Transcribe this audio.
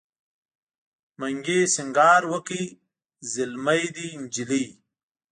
منګي سینګار وکړ زلمی دی نجلۍ